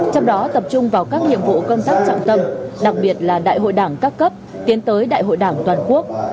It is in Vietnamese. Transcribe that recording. trong đó tập trung vào các nhiệm vụ công tác trọng tâm đặc biệt là đại hội đảng các cấp tiến tới đại hội đảng toàn quốc